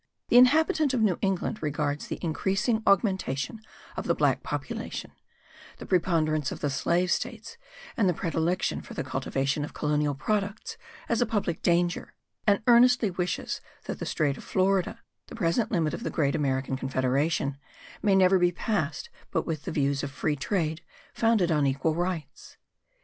The inhabitant of New England regards the increasing augmentation of the black population, the preponderance of the slave states and the predilection for the cultivation of colonial products as a public danger; and earnestly wishes that the strait of Florida, the present limit of the great American confederation, may never be passed but with the views of free trade, founded on equal rights.